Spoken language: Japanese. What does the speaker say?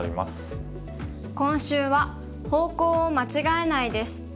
今週は「方向を間違えない」です。